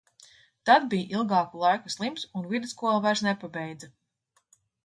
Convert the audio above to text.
Tad bij ilgāku laiku slims un vidusskolu vairs nepabeidza.